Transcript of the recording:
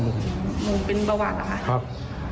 ลุงเป็นเบาหวานเหรอครับครับ